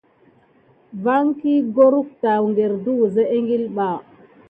Vaki gorkute amà tada wusa ekile ɓā.